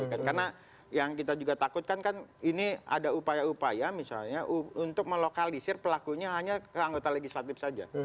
karena yang kita juga takutkan kan ini ada upaya upaya misalnya untuk melokalisir pelakunya hanya ke anggota legislatif saja